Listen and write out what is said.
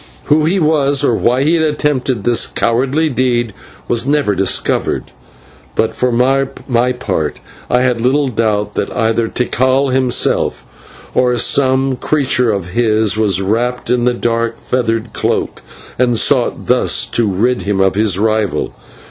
Who he was, or why he had attempted this cowardly deed, was never discovered; but for my part I have little doubt that either Tikal himself or some creature of his was wrapped in the dark feather cloak, and sought thus to rid him of his rival.